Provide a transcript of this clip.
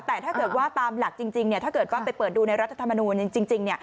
แต่ถ้าเกิดว่าตามหลักจริงถ้าเกิดว่าไปเปิดดูในรัฐธรรมนูลจริง